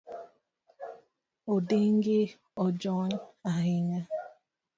Ondingi ojony ahinya?